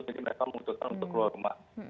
jadi mereka membutuhkan untuk keluar rumah